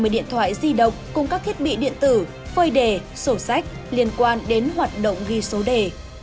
một mươi điện thoại di động cùng các thiết bị điện tử phơi đề sổ sách liên quan đến hoạt động ghi số đề